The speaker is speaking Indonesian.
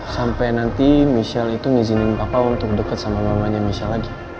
sampai nanti michelle itu mengizinin papa untuk deket sama mamanya michelle lagi